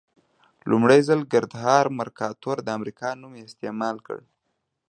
لومړي ځل ګردهارد مرکاتور د امریکا نوم استعمال کړ.